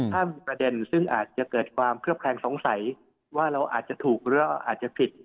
ถ้ามีประเด็นซึ่งอาจจะเกิดความเคลือบแคลงสงสัยว่าเราอาจจะถูกหรืออาจจะผิด